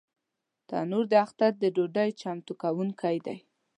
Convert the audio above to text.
تنور د اختر د ډوډۍ چمتو کوونکی دی